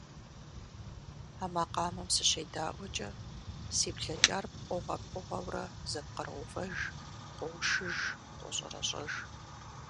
А макъамэм сыщедаӏуэкӏэ, си блэкӏар пкъыгъуэ пкъыгъуэурэ зэпкъыроувэж, къоушыж, къощӏэрэщӏэж.